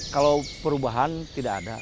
kalau perubahan tidak ada